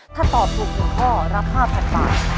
ถ้าตอบถูก๑ข้อรับ๕๐๐๐บาท